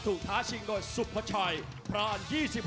ท้าชิงโดยสุพชัยพราน๒๖